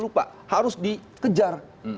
lupa harus dikejar